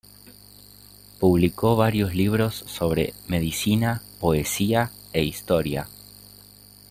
Publicó varios libros sobre medicina, poesía e historia.